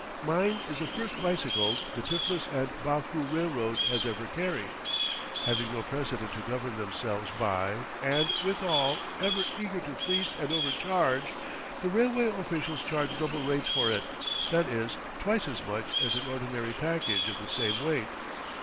Mine is the first bicycle the Tiflis & Baku Railroad has ever carried. Having no precedent to govern themselves by, and, withal, ever eager to fleece and overcharge, the railway officials charge double rates for it; that is, twice as much as an ordinary package of the same weight.